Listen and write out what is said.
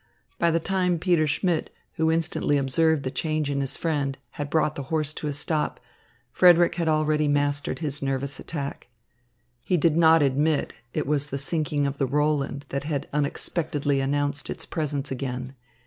By the time Peter Schmidt, who instantly observed the change in his friend, had brought the horse to a stop, Frederick had already mastered his nervous attack. He did not admit it was the sinking of the Roland that had unexpectedly announced its presence again.